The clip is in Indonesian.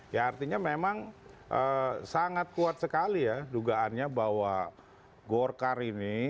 ya artinya memang sangat kuat sekali ya dugaannya bahwa golkar ini